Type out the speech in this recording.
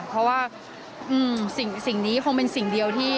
เพราะว่าสิ่งนี้คงเป็นสิ่งเดียวที่